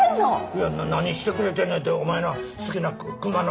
いや何してくれてんねんってお前の好きな熊の人形じゃ。